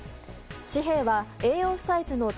紙幣はＡ４サイズの茶